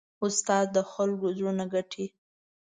استاد د خلکو زړونه ګټي.